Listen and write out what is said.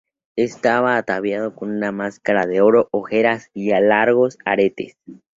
Estaba ataviado con una máscara de oro, orejeras y largos aretes.